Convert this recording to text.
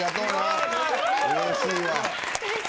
うれしいわ。